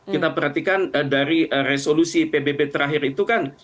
kita perhatikan dari resolusi pbb terakhir itu kan